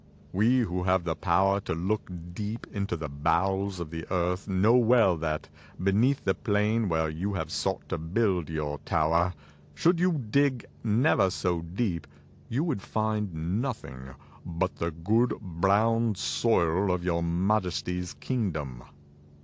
We who have the power to look deep into the bowels of the earth know well that beneath the plain where you have sought to build your tower, should you dig never so deep, you would find nothing but the good, brown soil of your Majesty's kingdom."